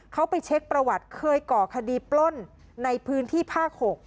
เขาไปเช็คประวัติเคยก่อคดีปล้นในพื้นที่ภาค๖